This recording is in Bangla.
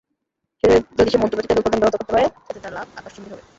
যদি সে মধ্যপ্রাচ্যে তেল উৎপাদন ব্যাহত করতে পারে, এতে তার লাভ আকাশচুম্বী হবে।